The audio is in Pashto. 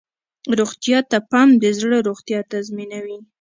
روغتیا ته پام د زړه روغتیا تضمینوي.